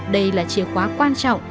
đây là chìa khóa quan trọng